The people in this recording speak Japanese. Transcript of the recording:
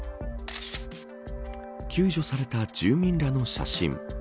救助された住民らの写真。